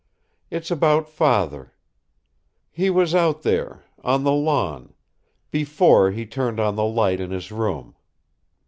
"It's about father. He was out there on the lawn before he turned on the light in his room.